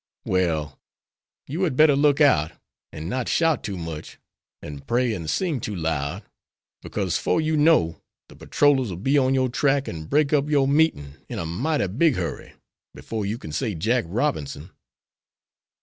"Well, you had better look out, and not shout too much, and pray and sing too loud, because, 'fore you know, the patrollers will be on your track and break up your meetin' in a mighty big hurry, before you can say 'Jack Robinson.'"